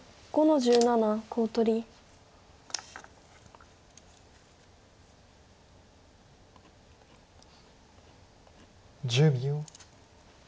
１０秒。